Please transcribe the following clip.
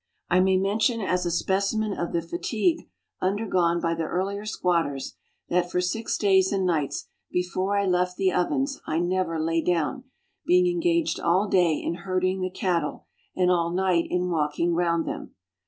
I may mention as a specimen of the fatigue undergone by the earlier squatters, that for six days and nights before I left the Ovens I never lay down, being engaged all day in herding the cattle, and all night in walking round them.